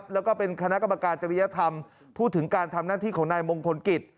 แล้วก็เป็นคณะกรรมการจริยธรรมพูดถึงการทำหน้าที่ของนายมงคลกิจ